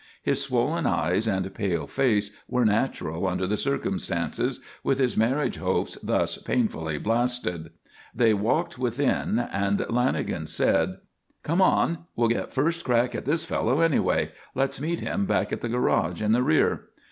His swollen eyes and pale face were natural under the circumstances, with his marriage hopes thus painfully blasted. They walked within, and Lanagan said: "Come on. We'll get first crack at this fellow anyhow. Let's meet him back at the garage in the rear."